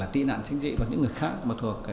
tị nạn sinh dị của những người khác